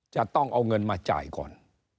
จะต้องเอาเงินมาจ่ายก่อน